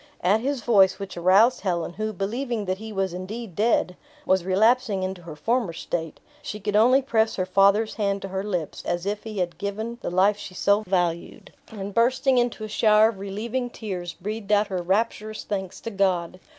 At his voice, which aroused Helen, who, believing that he was indeed dead, was relapsing into her former state; she could only press her father's hand to her lips, as if he had given the life she so valued, and bursting into a shower of relieving tears, breathed out her rapturous thanks to God.